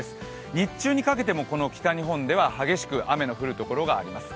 日中にかけても、この北日本では激しく雨が降るところがあります。